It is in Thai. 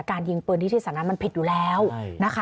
แต่การยิงเปลือนที่ที่ศาลนั้นมันผิดอยู่แล้วนะคะ